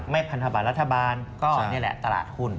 พันธบาทรัฐบาลก็นี่แหละตลาดหุ้น